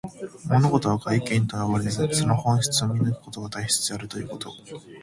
物事は外見にとらわれず、その本質を見抜くことが大切であるということ。